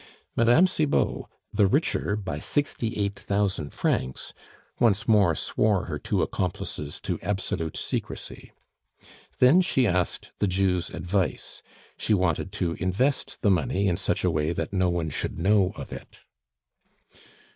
Mme. Cibot, the richer by sixty eight thousand francs, once more swore her two accomplices to absolute secrecy. Then she asked the Jew's advice. She wanted to invest the money in such a way that no one should know of it.